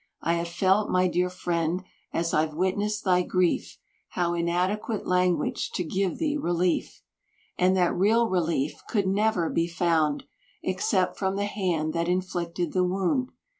I have felt, my dear friend, as I've witnessed thy grief, How inadequate language to give thee relief; And that real relief could never be found Except from the hand that inflicted the wound.